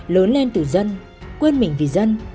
lớn lên từ dân quên mình vì dân